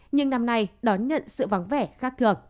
nhưng năm nay đón nhận sự vui vẻ và an toàn bên những người thân yêu